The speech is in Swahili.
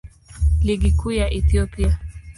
Ligi Kuu ya Ethiopia.